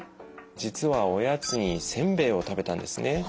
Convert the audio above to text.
実はおやつにせんべいを食べたんですね。